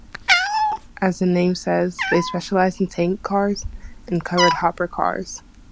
As the name says, they specialise in tank cars, and covered hopper cars.